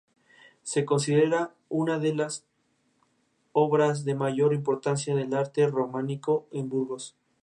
Su primer director fue Cáceres Monteiro y actualmente la dirige Pedro Camacho.